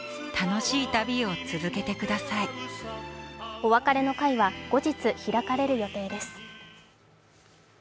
お別れの会は後日開かれる予定です。